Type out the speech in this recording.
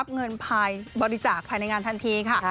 บริจาคภายในงานทันทีค่ะ